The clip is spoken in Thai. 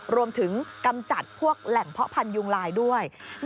กำจัดพวกแหล่งเพาะพันธุยุงลายด้วย